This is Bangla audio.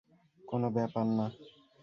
কোনো ব্যাপার না।